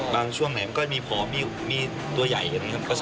บางช่วงไหนมันก็มีพร้อมมีตัวใหญ่กันครับ